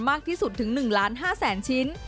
มากที่สุดถึง๑๕๐๐๐๐๐ชิ้น